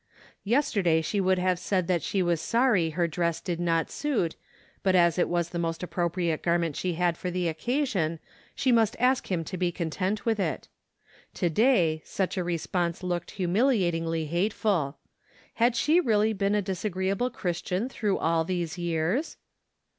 Yesterday she would have said that she was sorry her dress did not suit, but as it was the most appropriate garment she had for the occasion, she must ask him to be content with it. To day, such a response looked humiliatingly hateful. Had she really been a disagreeable Christian through all these years